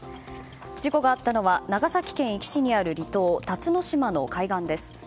事故があったのは長崎県壱岐市にある離島辰の島の海岸です。